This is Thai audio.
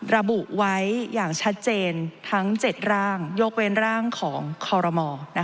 ระบุไว้อย่างชัดเจนทั้ง๗ร่างยกเว้นร่างของคอรมอ